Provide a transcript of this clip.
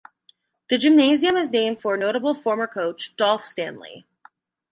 The gymnasium is named for notable former coach Dolph Stanley.